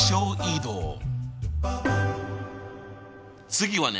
次はね